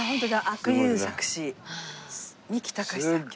「阿久悠作詞三木たかし作曲」